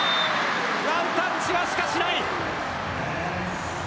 ワンタッチは、しかしない。